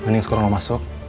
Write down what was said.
mending sekolah lu masuk